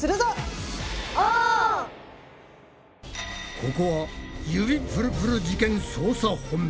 ここは「指プルプル事件捜査本部」。